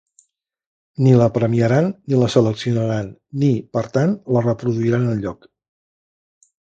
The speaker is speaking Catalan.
Ni la premiaran ni la seleccionaran ni, per tant, la reproduiran enlloc.